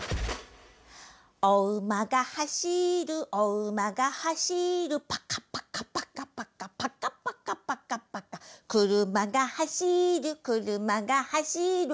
「おうまがはしるおうまがはしる」「パカパカパカパカパカパカパカパカ」「くるまがはしるくるまがはしる」